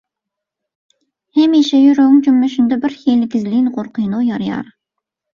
hemişe ýüregiň jümmüşinde birhili gizlin gorkyny oýarýar.